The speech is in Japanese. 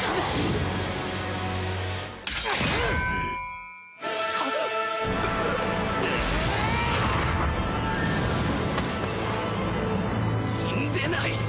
死んでない！